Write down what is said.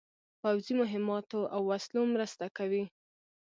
پوځي مهماتو او وسلو مرسته کوي.